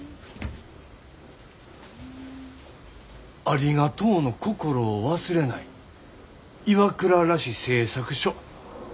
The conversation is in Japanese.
ありがとうの心を忘れない岩倉螺子製作所。